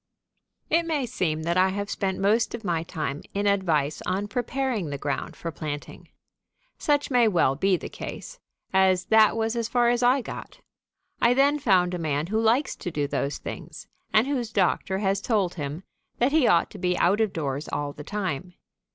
It may seem that I have spent most of my time in advice on preparing the ground for planting. Such may well be the case, as that was as far as I got. I then found a man who likes to do those things and whose doctor has told him that he ought to be out of doors all the time.